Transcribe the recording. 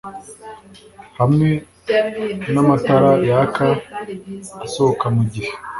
Hamwe namatara yaka asohoka mugihe